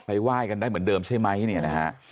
จะไปว่ายกันได้เหมือนเดิมไหม